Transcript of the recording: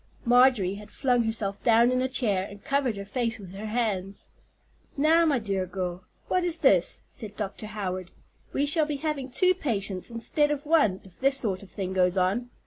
Marjorie had flung herself down in a chair, and covered her face with her hands. "Now, my dear girl, what is this?" said Dr. Howard. "We shall be having two patients instead of one if this sort of thing goes on.